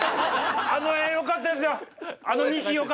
あの画よかったですよ。